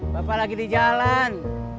bapak lagi di jalan